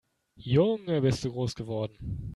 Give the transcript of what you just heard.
Junge, bist du groß geworden!